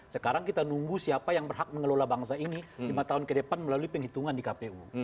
sekarang kita nunggu siapa yang berhak mengelola bangsa ini lima tahun ke depan melalui penghitungan di kpu